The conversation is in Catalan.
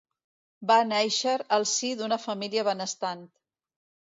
Va nàixer al si d'una família benestant.